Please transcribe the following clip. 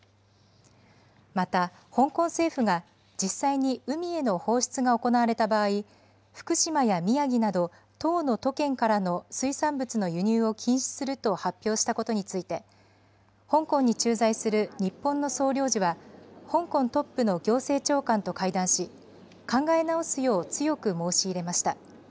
また、香港政府が実際に海への放出が行われた場合、福島や宮城など１０の都県からの水産物の輸入を禁止すると発表したことについて、香港に駐在する日本の総領事は、香港トップの行政長官と会談し、考え直すよう強く申し入れました。